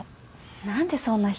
何でそんな人？